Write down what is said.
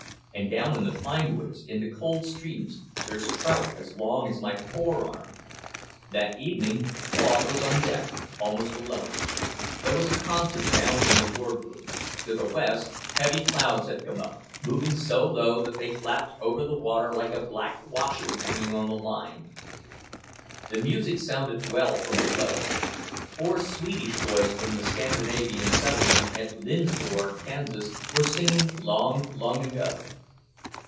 And down in the pine woods, in the cold streams, there's trout as long as my fore arm." That evening Claude was on deck, almost alone; there was a concert down in the ward room. To the west heavy clouds had come up, moving so low that they flapped over the water like a black washing hanging on the line. The music sounded well from below. Four Swedish boys from the Scandinavian settlement at Lindsborg, Kansas, were singing "Long, Long Ago."